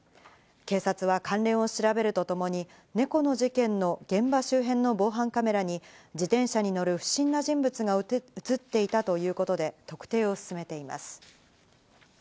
警察は関連を調べるとともに、猫の事件の現場周辺の防犯カメラに自転車に乗る不審な人物が映っていたということで、特定を進めています。